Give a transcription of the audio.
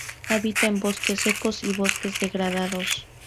Habita en bosques secos y bosques degradados.